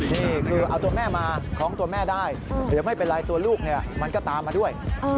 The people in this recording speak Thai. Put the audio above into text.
นี่คือเอาตัวแม่มาคล้องตัวแม่ได้หรือไม่เป็นไรตัวลูกมันก็ตามมาด้วย